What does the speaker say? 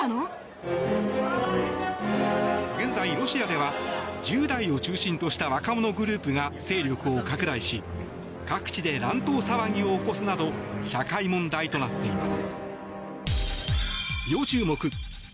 現在、ロシアでは１０代を中心とした若者グループが勢力を拡大し各地で乱闘事件を起こすなど社会問題となっています。